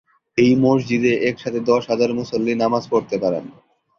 এই মসজিদে এক সাথে দশ হাজার মুসল্লি নামাজ পড়তে পারেন।